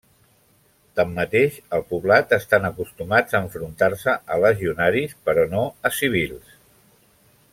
Tanmateix, al poblat estan acostumats a enfrontar-se a legionaris, però no a civils.